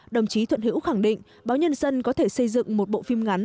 đồng chí thuận hữu khẳng định báo nhân dân có thể xây dựng một bộ phim ngắn